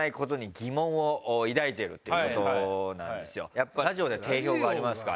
やっぱラジオでは定評がありますから。